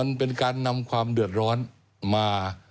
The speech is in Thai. มันเป็นการนำความเดือดร้อนมา